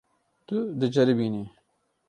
Tu diceribînî.